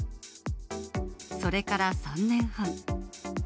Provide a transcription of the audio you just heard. それから３年半。